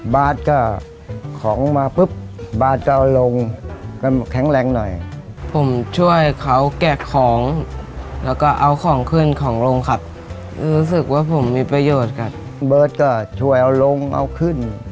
บาทก็ของมาปุ๊บบาทจะเอาลงก็แข็งแรงหน่อยผมช่วยเขาแกะของแล้วก็เอาของขึ้นของลงครับรู้สึกว่าผมมีประโยชน์ครับเบิร์ตก็ช่วยเอาลงเอาขึ้น